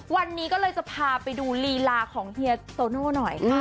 วันนี้ก็เลยจะพาไปดูลีลาของเฮียโตโน่หน่อยค่ะ